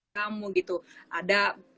kamu gitu ada